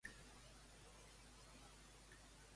Quin mot no apareix als parlaments d'Hamon i de Valls?